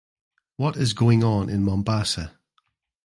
What is going on in Mombasa?